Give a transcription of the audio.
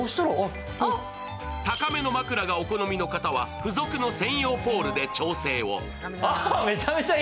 高めの枕がお好みの方は付属の専用ポールで調整を。